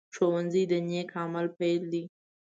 ښوونځی د نیک عمل پيل دی